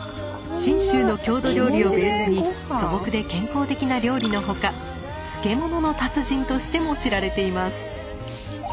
信州の郷土料理をベースに素朴で健康的な料理の他つけものの達人としても知られています。